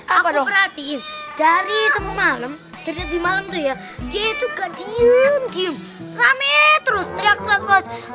aku berhati hati dari semalam terjadi malam tuh ya dia itu kecil tim rame terus terang